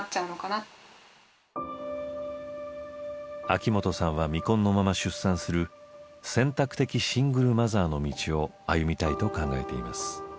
秋本さんは未婚のまま出産する選択的シングルマザーの道を歩みたいと考えています。